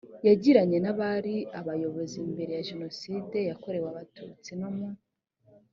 yagiranye n abari abayobozi mbere ya jenoside yakorewe abatutsi no mu